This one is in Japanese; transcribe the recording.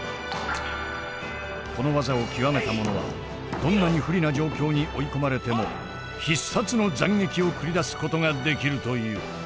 この技を極めた者はどんなに不利な状況に追い込まれても必殺の斬撃を繰り出すことができるという。